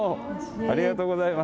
ありがとうございます。